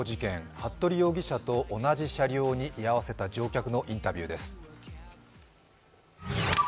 服部容疑者と同じ車両に居合わせた乗客のインタビューです。